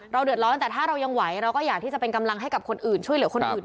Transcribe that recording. เราเดือดร้อนแต่ถ้าเรายังไหวเราก็อยากที่จะเป็นกำลังให้กับคนอื่น